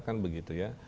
kan begitu ya